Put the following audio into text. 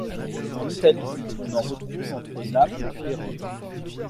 En Italie, on en retrouve entre Naples et Rome.